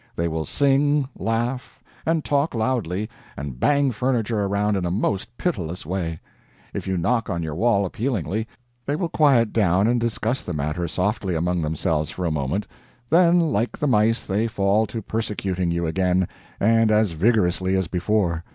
They will sing, laugh, and talk loudly, and bang furniture around in a most pitiless way. If you knock on your wall appealingly, they will quiet down and discuss the matter softly among themselves for a moment then, like the mice, they fall to persecuting you again, and as vigorously as before.